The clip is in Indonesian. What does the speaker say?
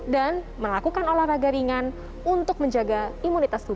dan melakukan olahraga ringan untuk menjaga imunitas tubuh